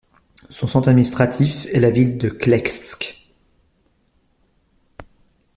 Son centre administratif est la ville de Kletsk.